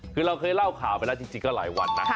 คือเราเคยเล่าข่าวไปแล้วจริงก็หลายวันนะ